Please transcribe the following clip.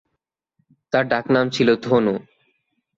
তাঁর ডাকনাম ছিল ধনু।